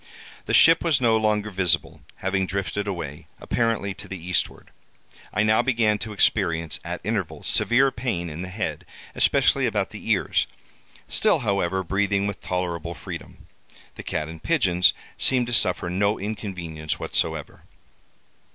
The ship was no longer visible, having drifted away, apparently to the eastward. I now began to experience, at intervals, severe pain in the head, especially about the ears—still, however, breathing with tolerable freedom. The cat and pigeons seemed to suffer no inconvenience whatsoever.